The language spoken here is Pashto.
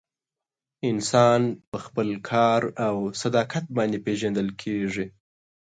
انسان په خپل کار او صداقت باندې پیژندل کیږي.